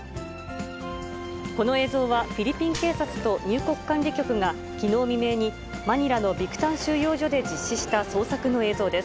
この映像は、フィリピン警察と入国管理局がきのう未明に、マニラのビクタン収容所で実施した捜索の映像です。